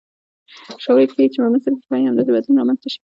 شواهد ښیي چې په مصر کې ښایي همداسې بدلون رامنځته شي.